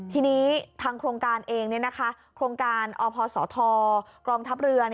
ทีนี้ทางโครงการเองโครงการอพศกองทัพเรือ